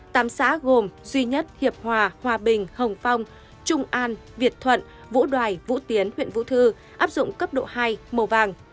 tám xã gồm duy nhất hiệp hòa hòa bình hồng phong trung an việt thuận vũ đoài vũ tiến huyện vũ thư áp dụng cấp độ hai màu vàng